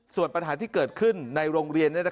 ส่วนปัญหาที่เกิดขึ้นในโรงเรียน